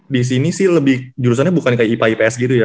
di sini sih lebih jurusannya bukan kayak ipa ips gitu ya